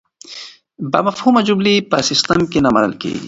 بامفهومه جملې په سیسټم کې منل کیږي.